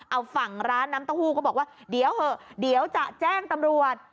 เอาฝั่งร้านน้ำเต้าหู้ก็บอกว่าเดี๋ยวเหอะเดี๋ยวจะแจ้งตำรวจ